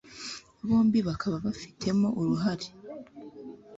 bombi bakaba bafitemo uruhare